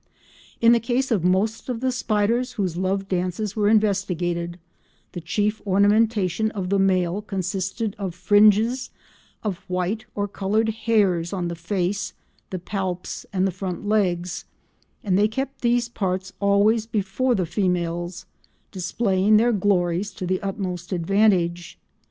In the case of most of the spiders whose love dances were investigated, the chief ornamentation of the male consisted of fringes of white or coloured hairs on the face, the palps, and the front legs, and they kept these parts always before the females, displaying their glories to the utmost advantage.